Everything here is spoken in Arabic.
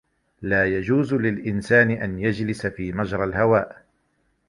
لَا يَجُوزُ لِلْإِنْسانِ أَنْ يَجْلِسَ فِي مَجْرى الْهَوَاءِ.